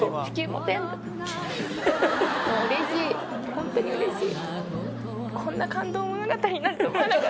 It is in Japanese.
ホントにうれしい。